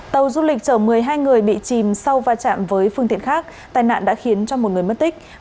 tàu du lịch chở một mươi hai người bị chìm sau va chạm với phương tiện khác tai nạn đã khiến cho một người mất tích